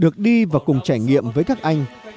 được đi và cùng trải nghiệm với các anh em trẻ